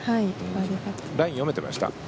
ラインは読めてました？